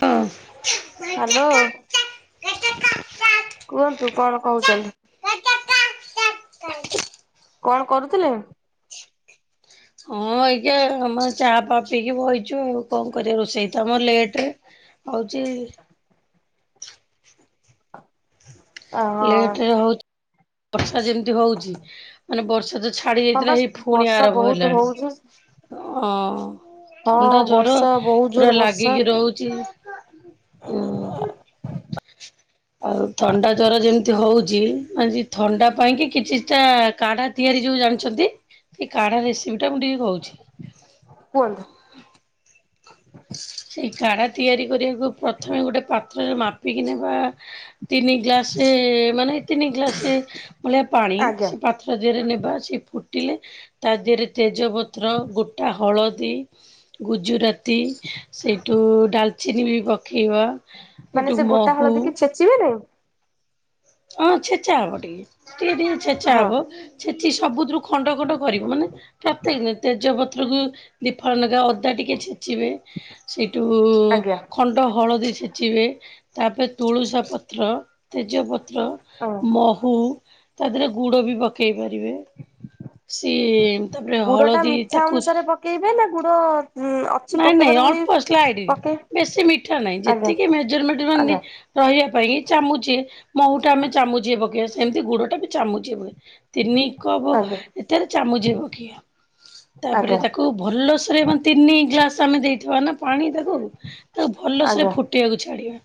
ହଁ। ହ୍ୟାଲୋ। [inaudible] କୁହନ୍ତୁ କଣ କହୁଛନ୍ତି। କଣ କରୁଥିଲେ। ହଁ ଆଜ୍ଞା ଆମେ ଚା ପା ପିଇକି ବହିଛୁ ଆଉ କଣ କରିବା ରୋଷେଇ ତ ଆମର ଲେଟ ରେ। ହୋଉଚି। ଅ ହଁ। ଲେଟରେ ହଉ ବର୍ଷା ଯେମିତି ହଉଛି ମାନେ ବର୍ଷା ଯୋଉ ଛାଡି ହଁ ଯାଇଥିଲା ବାସ୍ ହେଇ ପୁଣି ବର୍ଷା ଆରମ୍ଭ ବହୁତ ହେଲାଣି। ହଉଛି ଆଁ ହଁ ଥଣ୍ଡା ଜର ବର୍ଷା ବହୁତ ପୁରା ଜୋର ବର୍ଷା ଲାଗିକି ରହୁଚି। ହୁଁ ଆଉ ଥଣ୍ଡା ଜର ଯେମିତି ହଉଛି ଆଜି ଥଣ୍ଡା ପାଇଁ କି କିଛିଟା କାଢା ତିଆରି ଯୋଉ ଜାଣିଚନ୍ତି। ଏ କାଢା ରେସିପି ଟା ମୁ ଟିକେ କହୁଚି। କୁହନ୍ତୁ। ଏଇ କାଢ଼ା ତିଆରି କରିବାକୁ ପ୍ରଥମେ ଗୋଟେ ପାତ୍ରରେ ମାପିକି ନେବା ତିନି ଗ୍ଲାସ ମାନେ ତିନି ଗ୍ଲାସ ଭଳିଆ ପାଣି ଆଜ୍ଞା ସେ ପା ତା ଦେହରେ ନେବା ସେ ଫୁଟିଲେ ତା ଦେହରେ ତେଜପତ୍ର ଗୋଟା ହଳଦୀ ଗୁଜୁରାତି ସେଇଠୁ ଡାଲଚିନି ବି ପକେଇବ ମାନେ ସେ ଗୋଟା ହଳଦୀ କି ଛେଚିବେନି ଆଉ ହଁ ଛେଚା ହବ ଟିକେ ଟିକେ ଟିକେ ଛେଚା ହଁ ହବ ଛେଚି ସବୁଥିରୁ ଖଣ୍ଡ ଖଣ୍ଡ କରିବ ମାନେ [unintelligible] ତେଜପତ୍ରକୁ ଦୀଫାଳ ନେକା ଅଦା ଟିକେ ଛେଚିବେ। ସେଇଠୁ ଆଜ୍ଞା ଖଣ୍ଡ ହଳଦୀ ଛେଚିବେ ତାପ ତୁଳସା ପତ୍ର ତେଜପତ୍ର ହଁ। ମହୁ ତା ଦେହରେ ଗୁଡ ବି ପକେଇ ପାରିବେ। ସିଏ ତାପରେ ହଳଦୀ ତାକୁ କେଇବେ ନା ଗୁଡ ଉଁ ଅ ନାଇଁ ନାଇଁ ଅଳ୍ପ ସ୍ଲାଇଡ ବେଶୀ ମିଠା ନାହିଁ ଆଜ୍ଞା ଯେତିକି ମେଜରମେଣ୍ଟ ଆଜ୍ଞା ରହିବା ପାଇଁ ଚାମୁଚେ ମହୁ ଟା ଆମେ ଚାମୁଚେ ପକେଇବା ସେମିତି ଗୁଡ ଟା ବି ଚାମୁଛି ଭ ତିନି କପ ଆଜ୍ଞା ଏଥରେ ଚାମୁଚ ହେବ କିଏ ତାପରେ ଆଜ୍ଞା ତାକୁ ଭଲସରେ ମେ ତିନି ଗ୍ଲାସ ଆମେ ଦେଇଥିବା ନା ପାଣି ତାକୁ ତାକୁ ଆଜ୍ଞା ଭଲସରେ ଆଜ୍ଞା ଫୁ ଫୁଟିବାକୁ ଛାଡିବା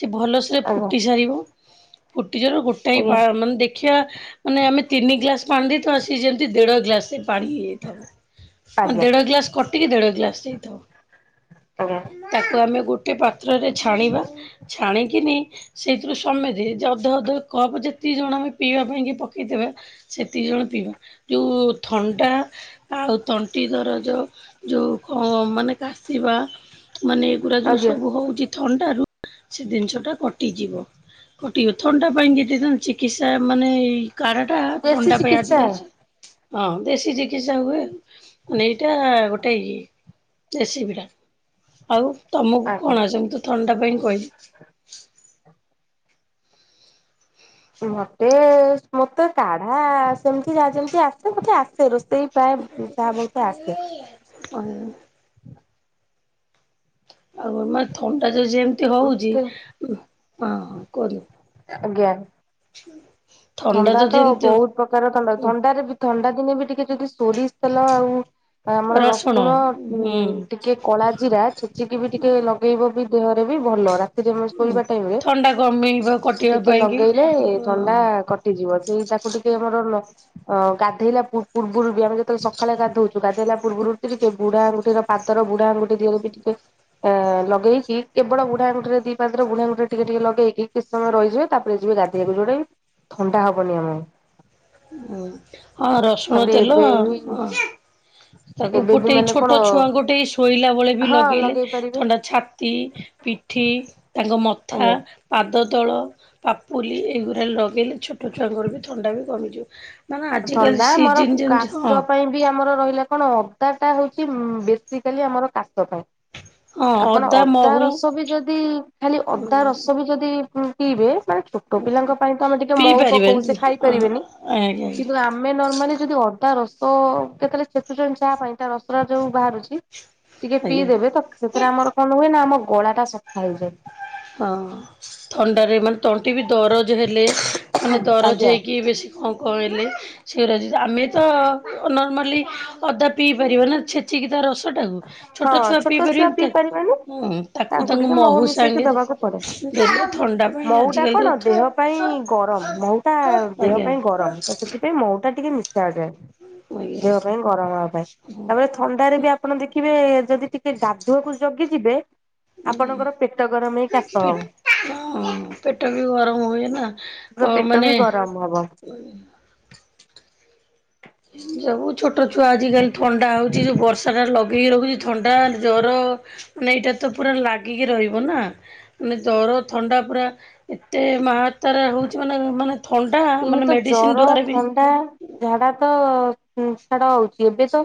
ସେ ଭଲସରେ ଆଜ୍ଞା। ଫୁଟି ସାରିବ ଫୁଟିଯାର ଗୋଟେ ମାନେ ଦେଖିବା ମାନେ ଆମେ ତିନି ଗ୍ଲାସ ପାଣ୍ଡଡି ତ ଆସିକି ଯେମିତି ଦେଢ଼ ଗ୍ଲାସରେ ପାଣି ହେଇଯାଇଥିବ। ଆଜ୍ଞା ଦେଢ ଗ୍ଲାସ କଟିକି ଦେଢ଼ ଗ୍ଲାସ ଆଜ୍ଞା ତାକୁ ଆମେ ଗୋଟେ ପାତ୍ରରେ ଛାଣିବା ଛାଣିକିନି ସେଇଥିରୁ ସମେତେ ଅଧ ଅଧ କପ୍ ଯେତିକି ଜଣ ଆମେ ପିଇବା ପାଇଁ ପକେଇଥିବେ ସେତିକି ଜଣ ପିଇବା ଯଉ ଥଣ୍ଡା ଆଉ ତଣ୍ଟି ଦରଜ ଯୋଉ ହ ମାନେ କାଶିବା ମାନେ ଏଗୁଡା ଯୋଉ ଆଜ୍ଞା ସବୁ ହଉଛି ଥଣ୍ଡାରୁ ସେ ଜିନିଷ ଟା କଟିଯିବ। ଗୋଟେ ଥଣ୍ଟା ପାଇଁ ଯଦଥାନ୍ତ ଚିକିତ୍ସା ମାନେ ଏଇ କାର ଟା ଦେଶୀ ଥଣ୍ଡା ପାଇଁ ଆଜି ଚିକିତ୍ସା କାଲି ସେ [inaudible] ହଁ ଦେଶୀ ଚିକିତ୍ସା ହୁଏ ମାନେ ଏଇଟା ଗୋଟେ ଇଏ ରେସିପି ଟା ଆଉ ତମକୁ ଆଜ୍ଞା କଣ ଆସେ ମୁଁ ତ ଥଣ୍ଡା ପାଇଁ କହିଲି। ମତେ ମତେ କାଢା ସେମିତି ଯା ଯେମିତି ଆସେ ମତେ ଆସ ସେ ରୋଷେଇ ପ୍ରାୟ ଯାହା ବହୁତ ଆସେ। ହ [inaudible] [inaudible] ଆଉ ମ ଥଣ୍ଡା ତ ଯେମିତି ହଉଛି ମତେ [unintelligible] କର ଆଜ୍ଞା। [inaudible] ଥଣ୍ଡା ତ ଯେମିତି ବହୁତ ପ୍ରକାର ଥଣ୍ଡା ଥଣ୍ଡାରେ ବି ଥଣ୍ଡା ଦିନେ ବି ଟିକେ ଯଦି ସୋରି ତେଲ ଆଉ ଆମର ରସୁଣ ଉ ହୁଁ ଟିକେ କଳା ଜିରା ଛେଚିକି ବି ଟିକେ ଲଗେଇବ ବି ଦେହରେ ବି ଭଲରା ଶୋଇବା ଟାଇମରେ ଥଣ୍ଡା କମେଇବା କଟିବା ଟିକେ ପାଇଁ କି ଲଗେଇଲେ ହଁ ଥଣ୍ଡା କଟିଯିବ ସେଇଟାକୁ ଟିକେ ଆମର ଗାଧେଇଲା ପୂର୍ବରୁ ବି ଆମେ ତ ସକାଳେ ଗାଧୋଉଛି ଗାଧୋଇଲା ପୂର୍ବରୁ ଟିକେ ବୁଢା ଆଙ୍ଗୁଠିର ପାଦର ବୁଢା ଆଙ୍ଗୁଠିହରେ ବି ଟିକେ ଅ ଲଗେଇକି କେବଳ ବୁଢା ଆଙ୍ଗୁଠି ରେ ଦି ପାଦରେ ବୁଢା ଆଙ୍ଗୁଠି ରେ ଟିକେ ଟିକେ ଲଗେଇକି କିଛି ସମୟ ରହିଯିବେ ତାପରେ ଯିବେ ଗାଧେଇ [unintelligible] କି ଥଣ୍ଡା ହବନି ଆମକୁ। ଅ ରସୁଣ ତାପରେ ତେଲ ଏବେ ବି ହ ତାକୁ ଏବେ ବି ଫୁଟେଇକି ମାନେ କଣ ଛୋଟ ଛୁଆଙ୍କଠେ ଶୋଇଲା ବେଳେ ବି ହଁ ଲଗେଇଲେ ଲଗେଇ ପାରିବେ ଥଣ୍ଡା ଛାତି ପିଠି ତାଙ୍କ ମଥା ଆଜ୍ଞା। ପାଦ ତଳ ପାପୁଲି ଏଇଗୁଡ଼ା ଲଗେଇଲେ ଛୋଟ ଛୁଆଙ୍କର ବି ଥଣ୍ଡା ବି କମିଯିବ। ମାନେ ଆଜିକାଲି ଥଣ୍ଡା ମୋର ସିଜିନ ଯେମିତି ହଁ କାଶ ପାଇଁ ଆମର ରହିଲା କଣ ଅଦା ଟା ହଉଛି ବେସିକାଲି ଆମର କାଶ ପାଇଁ। ହଁ ଆପଣ ଅଦା ମହୁ ରସ ବି ଯଦି ଖାଲି ଅଦା ରସ ବି ଯଦି ପିଇବେ ମାନେ ଛୋଟ ପିଲାଙ୍କ ପାଇଁ ତ ଆମେ ଟିକେ ପିଇ ମହୁ ପାରିବେ ପକଉ ସେ ଖାଇ ପାରିବେନି ଆଜ୍ଞା କିନ୍ତୁ ଆମେ ନର୍ମାଲି ଯଦି ଅଲ ତା ରସ କେତେବେଳେ ଛେଚୁଛନ୍ତି ଚାହା ପାଇଁ ତା ରସ ଟା ଯୋଉ ବାହାରୁଛି ଟିକେ ଆଜ୍ଞା। ପିଇଦେବେ ତ ସେଥିରେ ଆମର କଣ ହୁଏ ନା ଆମ ଗଳା ଟା ସଫା ହେଇଯାଏ। ହଁ ଥଣ୍ଡାରେ ମାନେ ତଣ୍ଟି ବି ଦରଜ ହେଲେ ମାନେ ଦରଜ ଆଜ୍ଞା ହେଇକି ବେଶୀ କଁ କଁ ହେଲେ ଛେରା ଆମେ ତ ନର୍ମାଲି ଅଦା ପିଇ ପାରିବା ନା ଛେଚିକି ତା ରସ ଟାକୁ। ଛୋଟ ଛୁଆ ପିଇ ପାରିବେନି ତାକୁ ତାଙ୍କୁ ତାଙ୍କ ଟିକେ ମହୁ ସାଙ୍ଗେରେ [unintelligible] ପଡେ। ମହୁ ଟା କଣ ଦେହ ପାଇଁ ଆଜ୍ଞା ଗରମ ମହୁଟା ଦେହ ଆଜ୍ଞା ପାଇଁ ଗରମ ତ ସେଥିପା ସେ ମହୁ ଟା ଟିକେ ମି ଠା ଟେ ଦେହ ପାଇଁ ଗରମ ହବା ପାଇଁ ତାପରେ ଥଣ୍ଡାରେ ବି ଆପଣ ଦେଖିବେ ଯଦି ଟିକେ ଗାଧୁଅକୁ ଜଗିଯିବେ ଆପଣଙ୍କର ପେଟ ଗରମ ହେଇ କାଶ ହବ। ହଁ ପେଟ ବି ଗରମ ହୁଏ ନା କ ପେଟ ବି ମାନେ ଗରମ ହବ। ଯୋଉ ଛୋଟ ଛୁଆ ଆଜିକାଲି ଥଣ୍ଡା ହଉଛି ଯୋଉ ବର୍ଷାଟା ଲଗେଇ ରଖୁଛି ଥଣ୍ଡା, ଜର ମାନେ ଏଇଟା ତ ପୁରା ଲାଗିକି ରହିବ ନା। ମାନେ ଜର ଥଣ୍ଡା ପୁରା ଏତେ ମାହାତାରା ହଉଛି ମାନେ ମାନେ ଥଣ୍ଡା ଇଏ ମାନେ ତ ମେଡିସିନ ଜର, ଦ୍ଵାରା ବି ଥଣ୍ଡା ଝାଡା ତ ଛାଡ ହଉଛି ଏବେ ତ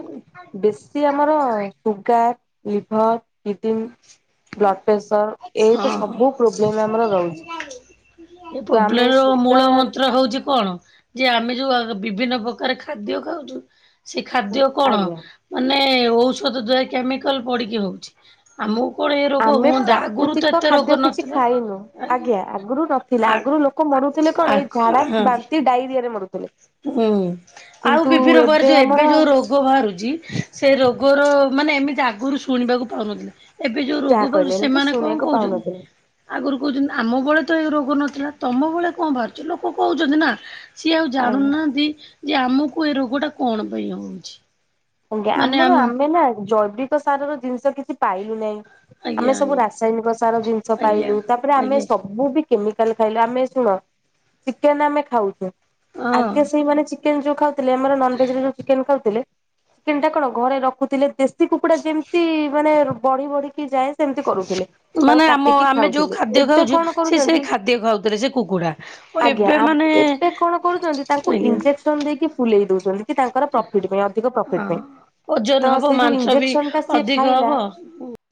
ବେଶୀ ଆମର sugar, liver, kidney, blood pressure ଏଇ ତ ହଁ ହଁ ସବୁ ପ୍ରୋବ୍ଲେମ ଆମର ରହୁଛି। ଏ ତ ଆମେ ପ୍ରବ୍ଲେମ୍ ର ମୂଳ ମନ୍ତ୍ର ସୁଗାର ହଉଛି କଣ? ଯେ ଆମେ ଯୋଉ ବିଭିନ୍ନ ପ୍ରକାର ଖାଦ୍ୟ ଖାଉଛୁ ସେ ଖାଦ୍ୟ କଣ? ଆଜ୍ଞା। ମାନେ ଔଷଧ ଦ୍ଵାରା କେମିକାଲ ପଡିକି ହଉଛି ଆମକୁ କଣ ଏ ରୋଗ ହୁଅନ୍ତା। ଆଗରୁ ତ କୃତିକ ଏତେ ରୋଗ ଖାଦ୍ୟ କିଛି ନଥିଲା ଖାଇନୁ। ଆଜ୍ଞା ଆଗରୁ ନଥିଲା ଆଗରୁ ଲୋକ ମରୁଥିଲେ କଣ ଏଇ ଆଖ ଝାଡା, ହଁ ବାନ୍ତି, ଡାଇରିଆ ରେ ମରୁଥିଲେ। ହୁଁ ଆଉ କିନ୍ତୁ ବିଭିନ୍ନ ପ୍ରକାର ଯୋଉ ଆମର ଏବେ ଯୋଉ ରୋ ରୋଗ ବାହାରୁଛି ସେ ରୋଗର ମାନେ ଏମିତି ଆଗରୁ ଶୁଣିବାକୁ ପାଉନଥିଲେ। ଏବେ ଯୋଉ ଯାହା ରୋଗ କହିଲେ ବାରୁଛି ଏମିତି ସେମାନେ କଣ ଶୁଣିବାକୁ କହୁଛନ୍ତି? ପାଉନଥିଲେ। ଆଗରୁ କହୁଛନ୍ତି ଆମ ବଳେ ତ ଏ ରୋଗ ନଥିଲା ତମ ବଳେ କଣ ବାହାରୁଛି ଲୋକ କହୁଛନ୍ତି ନା ସିଏ ଆଉ ଆ ଜାଣୁନାହାନ୍ତି ଯେ ଆମକୁ ଏ ରୋଗ ଟା କଣ ପାଇଁ ହଉଛି। ଆଜ୍ଞା ଆମର ଆମେ ନା ଜୈବିକ ସାର ର ଜିନିଷ କିଛି ପାଇଲୁ ନାହିଁ। ଆଜ୍ଞା ଆଜ୍ଞା। ସାୟନିକ ସାର ଜିନିଷ ଆଜ୍ଞା ପାଇଲୁ ତାପରେ ଆମେ ଆଜ୍ଞା ସବୁ ବି କେମିକାଲ ଖାଇଲେ ଆମେ ଶୁଣ ଚିକେନ ଆମେ ଖାଉଛୁ ହଁ ଆଗେ ସେଇମାନେ ଚି ଚିକେନ ଯଉ ଖାଉଥିଲେ ଆମର ନନ୍ ଭେଜରେ ଜଉ ଚିକେନ ଖାଉଥିଲେ ଚିକେନ ଟା କଣ ଘରେ ରଖୁଥିଲେ ଦେଶୀ କୁକୁଡା ଯେମିତି ମାନେ ବଢି ବଢିକି ଯାଏ। ସେମିତି କରୁଥିଲେ ତାକୁ ମାନେ ଆମ କାଟିକି ଆମେ ଯୋଉ ଖାଉଥିଲେ ଖାଦ୍ୟ ଏବେ ଖାଉଛୁ କଣ ସେ ସେଇ କରୁଛନ୍ତି ଖାଦ୍ୟ ଖାଉଥିଲେ ସେ କୁକୁଡ଼ା ଆଉ ଆଜ୍ଞା ଏବେ ଆବ୍ ମାନେ ଏବେ କଣ କରୁଛନ୍ତି ତାଙ୍କୁ ଆଜ୍ଞା ଇଜେକ୍ ସନ ଦେଇକି ଫୁଲେଇ ଦଉଛନ୍ତି କି ତାଙ୍କର ପ୍ରଫିଟ୍ ପାଇଁ ଅଧିକ ପ୍ର ଫିଟ୍ ହଁ ପାଇଁ ଓଜନ ତ ହବ ସେ ଯୋଉ ମାଂସ ବି ଇଞ୍ଜେକ୍ସନ ଟା ସେ ଅଧିକ ଖାଇଲା ହବ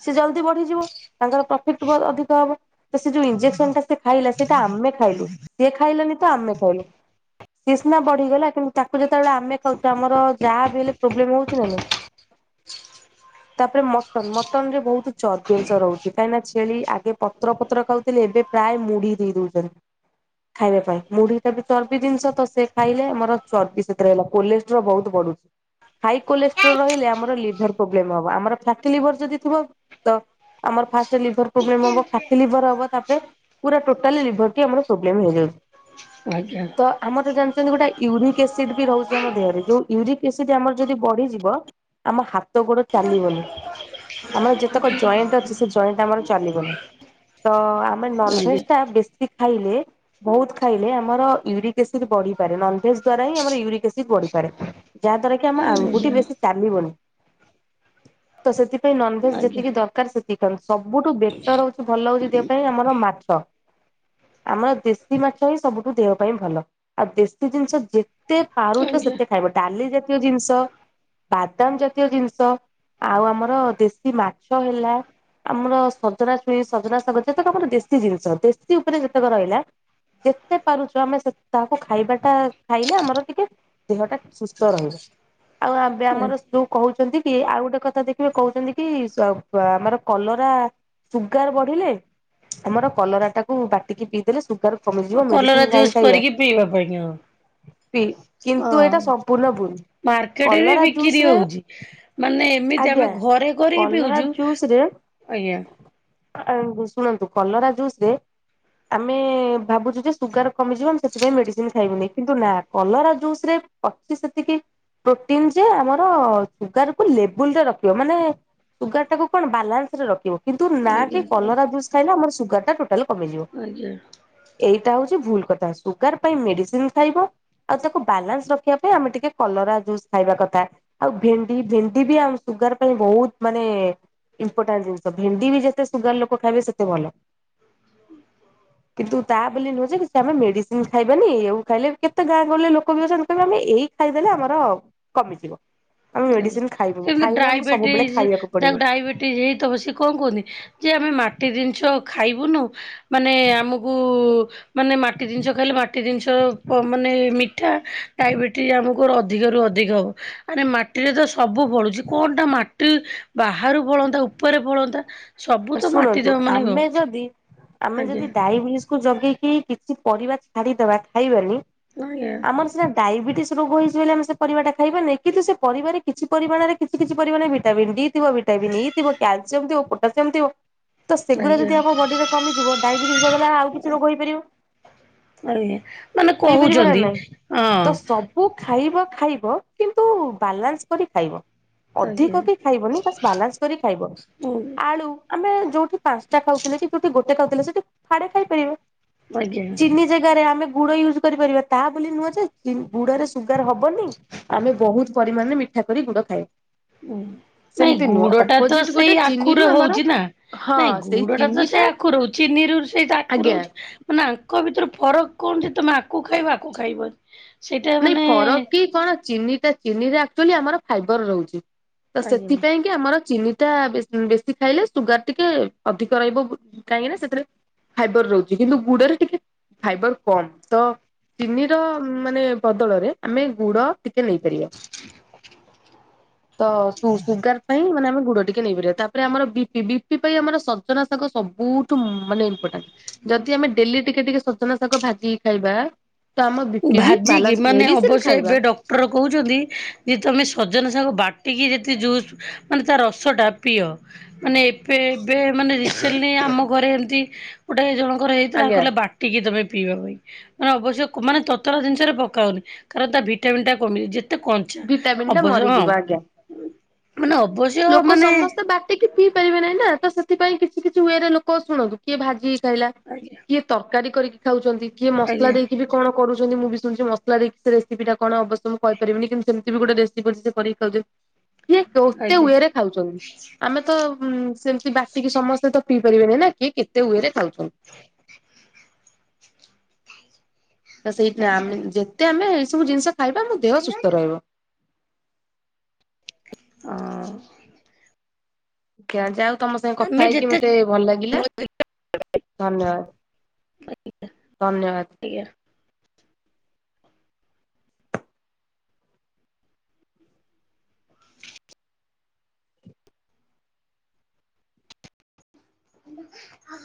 ସେ ଜଲ୍ଦି ବଢିଯିବ। ତାଙ୍କର ପ୍ରଫିଟ୍ ବ ଅଧିକ ହବ। ତ ସେ ଯୋଉ ଇଞ୍ଜେକ୍ସନ୍ ଟା ସେ ଖାଇଲା ସେଇଟା ଆମେ ଖାଇଲୁ ସେ ଖାଇଲାନି ତ ଆମେ ଖାଇଲୁ। ସିଏ ସିନା ବଢିଗଲା କିନ୍ତୁ ତାକୁ ଯେତେବେଳେ ଆମେ ଖାଉଛୁ ଆମର ଯାହା ବି ହେଲେ ପ୍ରୋବ୍ଲେମ ହଉଛି ନା ନାହିଁ ତାପରେ ମଟନ ମଟନ ରେ ବହୁତ ଚର୍ବିଅଂଶ ରହୁଛି କାହିଁ ନା ଛେଳି ଆଗେ ପତ୍ର ପତ୍ର ଖାଉଥିଲେ ଏବେ ପ୍ରାୟ ମୁଢି ଦେଇ ଦଉଛନ୍ତି। ଖାଇବା ପାଇଁ ମୁଢି ଟା ବି ଚର୍ବି ଜିନିଷ ତ ସେ ଖାଇଲେ ଆମର ଚର୍ବି ସେଥିରେ ହେଲା କୋଲେଷ୍ଟ୍ର ବହୁତ ବଢୁଛି। ହାଇ କୋଲେଷ୍ଟ୍ରୋ ରହିଲେ ଆମର ଲିଭର ପ୍ରୋବ୍ଲେମ ହବ ଆମର ଫ୍ୟାଟି ଲିଭର ଯଦି ଥିବ ତ ଆମର ଫାଷ୍ଟ ଲିଭର ପ୍ରୋବ୍ଲେମ ହବ ଫ୍ୟାଟି ଲିଭର ହବ ତାପରେ ପୁରା ଟୋଟାଲି ଲିଭରଟି ଆମର ପ୍ରୋବ୍ଲେମ ହେଇଯାଉଛି। ଆଜ୍ଞା। ତ ଆମରତ ଜାଣିଛନ୍ତି ଗୋଟା ୟୁରିକ ଏସିଡ ବି ରହୁଛି ଆମ ଦେହରେ ଯୋଉ ୟୁରିକ ଏସିଡ ଯଦି ଆମର ଯଦି ବଢିଯିବ ଆମ ହାତ ଗୋଡ ଚାଲିବନି। ଆମର ଯେତକ ଜଏଣ୍ଟ ଅଛି ସେ ଜଏଣ୍ଟ ଆମର ଚାଲିବନି। ତ ଆମେ ନନ୍ ଆଜ୍ଞା ଭେଜ୍ ଟା ବେଶୀ ଖାଇଲେ ବହୁତ ଖାଇଲେ ଆମର ୟୁରିକ୍ ଏସିଡ ବଢିପାରେ ନନ୍ ଭେଜ୍ ଦ୍ୱାରା ହିଁ ଆମର ୟୁରିକ ଏସିଡ ବଢିପାରେ। ଯାହା ଦ୍ଵାରା କି ଆମ ଆଙ୍ଗୁଟି ବେଶୀ ଚାଲିବନି। ହଁ [inaudible] [inaudible] ତ ସେଥିପାଇଁ ନନ୍ ଭେଜ୍ ଯେତିକି ଦରକାର ସେତିକି ଖାଆନ୍ତୁ ସବୁଠୁ ବେଟର ହଉଛି ଭଲ ହଉଛି ଦେହ ପାଇଁ ଆମର ମାଛ। ହଁ [inaudible] ଆମର ଦେଶୀ ମାଛ ହିଁ ସବୁଠୁ ଦେହ ପାଇଁ ଭଲ। ଆଉ ଦେଶୀ ଜିନିଷ ଯେତେ ପାରୁଚ ଆଜ୍ଞା। ସେତେ ଖାଇବ ଡ଼ାଲି ଜାତୀୟ ଜିନିଷ ବାଦାମ ଜାତୀୟ ଜିନିଷ ଆଉ ଆମର ଦେଶୀ ମାଛ ହେଲା। ଆମର ସଜନା ଛୁଇଁ ସଜନା ଶାଗ ଯେତକ ଆମର ଦେଶୀ ଜିନିଷ ଦେଶୀ ଉପରେ ଯେତେକ ରହିଲା। ଯେତେ ପାରୁଚ ଆମେ ସେ ତାହାକୁ ଖାଇବାଟା ଖାଇଲେ ଆମର ଟିକେ ଦେହଟା ସୁସ୍ଥ ରହିବ। ଆଉ ଆବେ ଆମର ଯୋଉ କହୁଛନ୍ତି କି ଆଉ ଗୋଟେ କଥା ଦେଖିବେ କହୁଛନ୍ତି କି ଆମର କଲରା ସୁଗାର ବଢ଼ିଲେ ଆମର କଲରା ଟାକୁ ବା ବାଟିକି ପିଇଦେଲେ ସୁଗାର କମିଯିବ କଲରା ମେଡ଼ିସିନ୍ କାଇଁ ଜୁସ୍ ଖାଇବା। କରିକି ପିଇବା ପାଇଁ ହଁ ପି କିନ୍ତୁ ଏଇଟା ସମ୍ପୂର୍ଣ୍ଣ ଭୁଲ୍। ମାର୍କେଟ ରେ ବିକିରି ହଉଛି ମାନେ ଏମିତି ଆମେ ଆଜ୍ଞା ଘରେ କରିକି କଲରା ପିଉଚୁ। ଆଜ୍ଞା। ଆ ଶୁଣନ୍ତୁ କଲରା ଜୁସ୍ ରେ ଆମେ ଭାବୁଛୁ ଯେ ସୁଗାର କମିଯିବ ଆମେ ସେଥିପାଇଁ ମେଡ଼ିସିନ୍ ଖାଇବୁନି କିନ୍ତୁ ନା କଲରା ଜୁସ୍ ରେ ଅତି ସେତିକି ପ୍ରୋଟିନ୍ ଯେ ଆମର ସୁଗାରକୁୁ ଲେବୁଲ୍ ରେ ରଖିବ ମାନେ ସୁଗାରଟା କୁ କଣ ବାଲାନ୍ସ ରେ ରଖିବ। କିନ୍ତୁ ନା କି ଆଜ୍ଞା କଲରା ଜୁସ୍ ଖାଇଲେ ଆମର ସୁଗାରଟା ଟୋଟାଲ୍ କମିଯିବ। ଆଜ୍ଞା। ଏଇଟା ହଉଛି ଭୁଲ୍ କଥା ସୁଗାର ପାଇଁ ମେଡ଼ିସିନ୍ ଖାଇବ ଆଉ ତାକୁ ବାଲାନ୍ସ ର ରଖିବା ପାଇଁ ଆମେ ଟିକେ କଲରା ଜୁସ୍ ଖାଇବା କଥା। ଆଉ ଭେଣ୍ଡି ଭେଣ୍ଡି ବି ଆମ ସୁଗାର ପାଇଁ ବହୁତ୍ ମାନେ ଇମ୍ପୋଟାଣ୍ଟ୍ ଜିନିଷ ଭେଣ୍ଡି ବି ଯେତେ ସୁଗାର ଲୋକ ଖାଇବେ ସେତେ ଭଲ। [inaudible] କିନ୍ତୁ ତା ବୋଲି ନୁହୁଁ ଯେ କିଛି ଆମେ ମେଡ଼ିସିନ୍ ଖାଇବାନି ଆଉ ଖାଇଲେ କେତେ ଗାଁ ଗହଲେ ଲୋକ ବି ଅଛନ୍ତି ତ ଆମେ ଏଇ ଖାଇଦେଲେ ଆମର କମିଯିବ। ଆମେ ମେଡିସିନ ଖାଇବୁନି ସେମିତି ଖାଇଲେ ଆମକୁ ସବୁବେଳେ ଡ୍ରାଇବେଟିସି ଖାଇବାକୁ ଯାକୁ ପଡିବ ଡାଇବେଟି ହେଇଥବ ସେ କଣ କହନ୍ତି ଯେ ଆମେ ମାଟି ଜିନିଷ ଖାଇବୁନୁ ମାନେ ଆମକୁ ମାନେ ମାଟି ଜିନିଷ ଖାଇଲେ ମାଟି ଜିନିଷ ପ ମାନେ ମିଠା ଡାଇବେଟିସ୍ ଆମ ର ଅଧିକରୁ ଅଧିକ ହବ ଆରେ ମା ମାଟି ରେ ତ ସବୁ ଫଳୁଚି କଣଟା ମାଟି ବାହାରୁ ଫଳନ୍ତା ଉପରେ ଫଳନ୍ତା। ସବୁ ତ ମାଟି ଶୁଣନ୍ତୁ ଦେହ ମାନେ ଆମେ ଫଳୁଛି ଯଦି ଆମେ ଆଜ୍ଞା ଯଦି ଡାଇବିସ୍ ତାକୁ ଜଗିକି କିଛି ପରିବା ଛାଡ଼ିଦେବା ଖାଇବାନି ଆଜ୍ଞା। ଆମର ସିନା ଡାଇବେଟିସ୍ ରୋଗ ହେଇଛି ବୋଲି ଆମେ ସେ ପରିବା ଟା ଖାଇବା ନାହିଁ କିନ୍ତୁ ସେ ପରିବାରେ କିଛି ପରିମାଣରେ କିଛି କିଛି ପରିମାଣ ଭିଟାମିନ୍ ଡ଼ି ଥିବ, ଭିଟାମିନନ୍ ଇ ଥିବ, କ୍ୟାଲସିୟମ୍ ଥିବ, ପୋଟାସିୟମ୍ ଥିବ। ତ ସେଗୁରା ଆଜ୍ଞା ଯଦି ଆମ ବଡି଼ ରେ କମଯିବ ଡାଇବେଟିସ୍ ବଦଲ ରେ ଆଉ କିଛି ରୋଗ ହେଇପାରିବ। ଆଜ୍ଞା ମାନେ ହେଇପାରିବ ନା କହୁଛନ୍ତି ନାଇଁ ହଁ। ତ ସବୁ ଖାଇବା ଖାଇବ କିନ୍ତୁ ବାଲାନ୍ସ କରି ଖାଇବ। ଆଜ୍ଞା ଅଧିକ ବି ଖାଇବନି ବାସ୍ ବାଲାନ୍ସ କରି ଖାଇବ। ହୁଁ। ଆଳୁ ଆମେ ଯୋଉଠି ପାଞ୍ଚଟା ଖାଉଥିଲେ କି ଯୋଉଠି ଗୋଟେ ଖାଉଥିଲେ ସେଠି ଫାଳେ ଖାଇପାରିବା। ଆଜ୍ଞା। ଚିନି ଜାଗାରେ ଆମେ ଗୁଡ଼ ୟୁଜୁ କରିପାରିବା ତାହା ବୋଲି ନୁହଁ ଯେ ଗୁଡ଼ ରେ ସୁଗାର ହବନି। ଆମେ ବହୁତ୍ ପରିମାଣରେ ମିଠା କରି ଗୁଡ଼ ଖାଏ। ହୁଁ ନାଇଁ ଗୁଡ଼ ଟା ତ ଅପୋଜିଟ ଗୋଟେ ସେଇ ଆଖୁ ଚିନିରୁ ଆମର ହଉଛି ନା ହଁ ନାଇଁ ସେଇ ଗୁଡ଼ ଟା ଚିନି ତ ସେ ଆଖୁ ରହୁଚି ଚିନିରୁ ସେଇ ଆଖୁ ଆଜ୍ଞା। ରହୁଛି। ମାନେ ଆଙ୍କ ଭିତରୁ ଫରକ କଣ ଯେ ତମେ ଆକୁ ଖାଇବ ଆକୁ ଖାଇବନି। ସେଇଟା ନାଇଁ ମାନେ ଫରକ୍ କି କଣ ଚିନି ଟା ଚିନିରେ ଆକ୍ଚୁଆଲି ଆମର ଫାଇବର୍ ରହୁଛି ତ ଆଜ୍ଞା। ସେଥିପାଇଁ କି ଆମର ଚିନିଟା ବେ ବେଶୀ ଖାଇଲେ ସୁଗାର ଟିକେ ଅଧିକ ରହିବ କାହିଁକି ନା ସେଥିରେ ଫାଇବର ରହୁଛି କିନ୍ତୁ ଗୁଡରେ ଟିକେ ଫାଇବର କମ୍ ତ ଚିନି ର ମାନେ ବଦଳରେ ଆମେ ଗୁଡ଼ ଟିକେ ନେଇପାରିବା ତ ସୁ ସୁଗାର ପାଇଁ ମାନେ ଆମେ ଗୁଡ଼ ଟିକେ ନେଇପାରିବା ତାପରେ ଆମର ବି ପି ବି ପି ପାଇଁ ଆମର ସଜନା ଶାଗ ସବୁଠୁ ମାନେ ଯଦି ଆମେ ଡେଲି ଟିକେ ଟିକେ ସଜନା ଶାଗ ଭାଜିିକି ଖାଇବା ତ ଆମ ବିପି ବି ଏ ବାଲାନ୍ସ ମାନେ ମେଡିସିନ ଅବଶ୍ୟ ଖାଇବା ଏବେ ଡକ୍ଟର କହୁଛନ୍ତି ଯେ ତମେ ସଜନା ଶାଗ ବାଟିକି ଯେ ଯୋଉ ମାନେ ତା ରସଟା ପ୍ରିୟ ମାନେ ଏବେ ଏବେ ମାନେ ରିସେଣ୍ଟଲି ଆମ ଘରେ ଏମିତି ଗୋଟେ ଏ ଜଣଙ୍କର ହେଇଥିଲା ଆଜ୍ଞା କହିଲେ ବାଟିକି ତମେ ପିଇବା ପାଇଁ ମାନେ ଅବଶ୍ୟ ମାନେ ତତଳା ଜିନିଷରେ ପକାଉନି କାରଣ ତା ଭିଟାମିନନ୍ ଟା କମିନି ଯେ ଏତେ କଞ୍ଚା ଭିଟାମିନ ଟା ଅବଶ୍ୟ ହଁ ମରିଯିବ ଆଜ୍ଞା। ମାନେ ଅବଶ୍ୟ ମାନେ ଟିକେ ପିଇ ପାରିବେ ନାଇଁ ନା ତ ସେଥିପାଇଁ କିଛି କିଛି ୱେରେ ଲୋକ ଶୁଣନ୍ତୁ କିଏ ଭାଜି କି ଖାଇଲା। ଆଜ୍ଞା। କିଏ ତରକାରୀ କରିକି ଖାଉଛନ୍ତି। କିଏ ମସଲା ଆଜ୍ଞା ଦେଇକି ବି କଣ କରୁଛନ୍ତି। ମୁଁ ବି ଶୁଛି ମସଲା ଦେଇକି ବି ସେରେସିପି ଟା କଣ ଅବଶ୍ୟ ମୁଁ କହିପାରିବିନି। କିନ୍ତୁ ସେମିତି ବି ଗୋଟେ ରେସିପି କରିକି ଖାଉଛ କିଏ କେତେ ଆଜ୍ଞା ୱେରେ ଖାଉଛନ୍ତି। ଆମେ ତ ହଁ ସେମିତି ବାଟିକି ସମସ୍ତେ ତ ପିଇ ପାରିବେନି ନା କି କେତେ ୱେରେ ଖାଉଛନ୍ତି। [inaudible] ତ ସେଇଥି ନାଇଁ ଆଜ୍ଞା ଆମେ ଯେତେ ଆମେ ଏଇ ସବୁ ଜିନିଷ ଖାଇବା ଆମ ଦେହ ସୁସ୍ଥ ରହିବ। ଅଁ। ଆଜ୍ଞା ଯାଉ ତମ ସାଙ୍ଗେ କଥା ଆମେ ହେଇକି ଯେତେ ମତେ ଭଲ ଲାଗିଲା ଧନ୍ୟବାଦ। ଆଜ୍ଞା। ଧନ୍ୟବାଦ। ଆଜ୍ଞା। [inaudible]